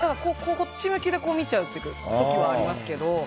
こっち向きで見ちゃうって時はありますけど。